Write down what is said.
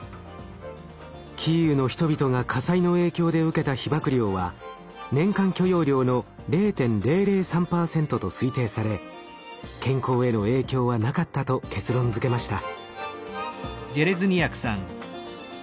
キーウの人々が火災の影響で受けた被ばく量は年間許容量の０．００３％と推定され健康への影響はなかったと結論づけました。